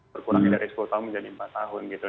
berkurang dari dua belas tahun menjadi empat tahun gitu